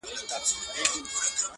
تباهي به يې ليكلې په قسمت وي -